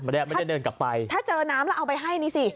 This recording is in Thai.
ไม่ได้ไม่ได้เดินกลับไปถ้าเจอน้ำแล้วเอาไปให้นี่สิ